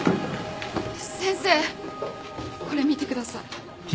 先生これ見てください。